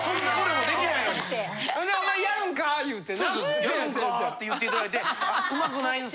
やるんかって言っていただいて。